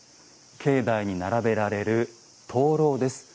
境内に並べられる灯籠です。